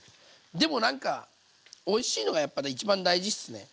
でもなんかおいしいのがやっぱ一番大事っすね。